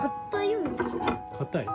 かたいよ。